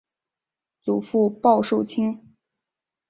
祖父鲍受卿。